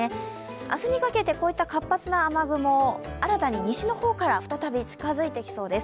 明日にかけてこういった活発な雨雲、再び西の方から近づいてきそうです。